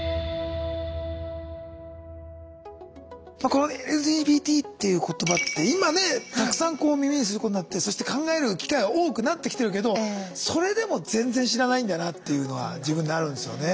この「ＬＧＢＴ」っていう言葉って今ねたくさん耳にすることになってそして考える機会は多くなってきてるけどそれでも全然知らないんだよなっていうのは自分であるんですよね。